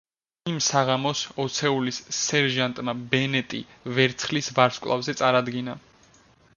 იმ საღამოს, ოცეულის სერჟანტმა ბენეტი ვერცხლის ვარსკვლავზე წარადგინა.